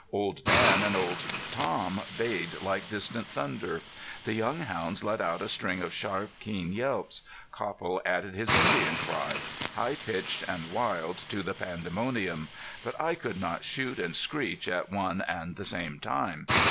Old Dan and Old Tom bayed like distant thunder. The young hounds let out a string of sharp, keen yelps. Copple added his Indian cry, high pitched and wild, to the pandemonium. But I could not shoot and screech at one and the same time.